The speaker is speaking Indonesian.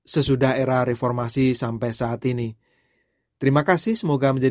sesudah era ini kita sudah mencari penjualan media online yang menjamur